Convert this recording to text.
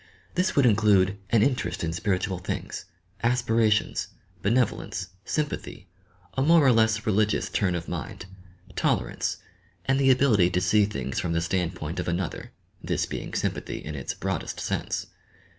This would include au interest in spiritual things, aspirations, benevolence, sympathy, a more or less religious turn of mind, tolerance, and the ability to see things from the standpoint of another, this being sympathy in its broadest sense.